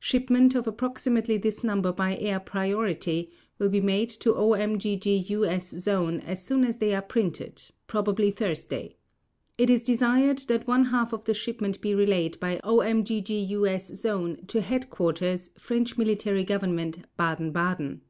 Shipment of approximately this number by air priority will be made to OMGGUS Zone as soon as they are printed, probably Thursday. It is desired that one half of the shipment be relayed by OMGGUS Zone, to Headquarters, French Military Government, Baden Baden.